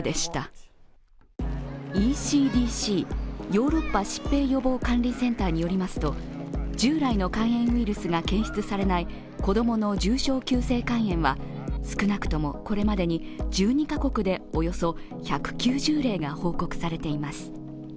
ＥＣＤＣ＝ヨーロッパ疾病予防管理センターによりますと従来の肝炎ウイルスが検出されない子供の重症急性肝炎は少なくともこれまでに１２カ国でおよそ１９０例が報告されています。